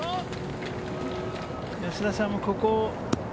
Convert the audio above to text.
安田さんも、ここ。